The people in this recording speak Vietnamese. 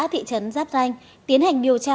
thị trấn giáp thanh tiến hành điều tra